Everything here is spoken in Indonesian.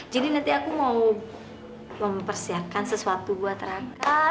jadi nanti aku mau mempersiapkan sesuatu buat raka